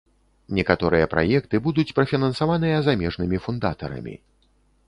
Некаторыя праекты будуць прафінансаваныя замежнымі фундатарамі.